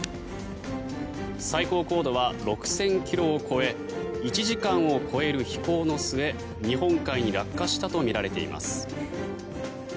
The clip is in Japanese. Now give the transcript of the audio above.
最高高度は６０００ｋｍを超え１時間を超える飛行の末日本海に落下したとみられています。